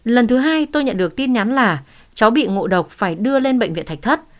lần thứ hai tôi nhận được tin nhắn là cháu bị ngộ độc phải đưa lên bệnh viện thạch thất